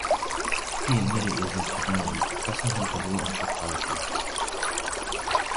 He immediately went to Dunning, pressing him to re-enter polities.